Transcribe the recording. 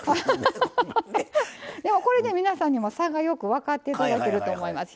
これで皆さんにも差がよく分かって頂けると思います。